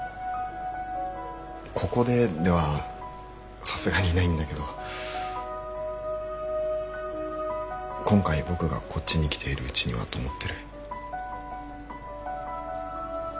ここでではさすがにないんだけど今回僕がこっちに来ているうちにはと思ってる。